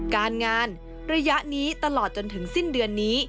การงานระยะนี้ตลอดจนถึงสิ้นเดือนนี้